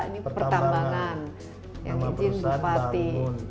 ini pertambangan yang izin bupati